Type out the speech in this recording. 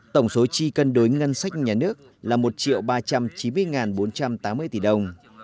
tổng số chi cân đối ngân sách nhà nước là một ba trăm chín mươi bốn trăm tám mươi tỷ đồng